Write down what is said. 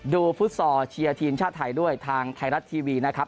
ฟุตซอร์เชียร์ทีมชาติไทยด้วยทางไทยรัฐทีวีนะครับ